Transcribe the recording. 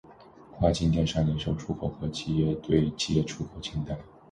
跨境电商零售出口和企业对企业出口清单